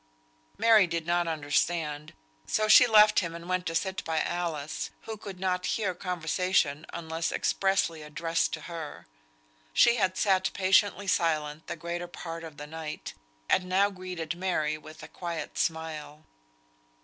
Mary did not understand, so she left him and went to sit by Alice, who could not hear conversation unless expressly addressed to her. She had sat patiently silent the greater part of the night, and now greeted Mary with a quiet smile.